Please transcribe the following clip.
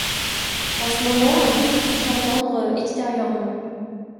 En ce moment, un bruit se fit entendre extérieurement.